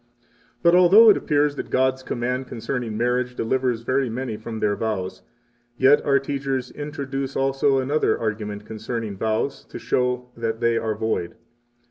36 But although it appears that God's command concerning marriage delivers very many from their vows, yet our teachers introduce also another argument concerning vows to show that they are void.